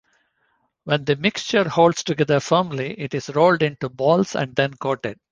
When the mixture holds together firmly, it is rolled into balls and then coated.